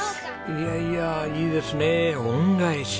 いやいやいいですねえ恩返し。